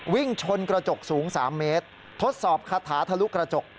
วิ่งชนกระจกสูง๓เมตรทดสอบคาถาทะลุกระจก